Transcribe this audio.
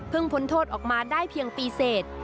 พ้นโทษออกมาได้เพียงปีเสร็จ